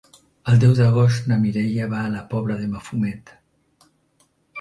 El deu d'agost na Mireia va a la Pobla de Mafumet.